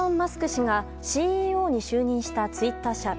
氏がＣＥＯに就任したツイッター社。